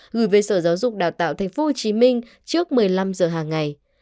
gửi về sở giáo dục đào tạo tp hcm trước một mươi năm giờ hàng ngày